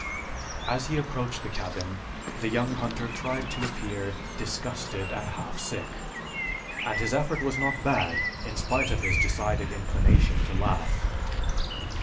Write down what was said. As he approached the cabin the young hunter tried to appear disgusted and half sick, and his effort was not bad in spite of his decided inclination to laugh.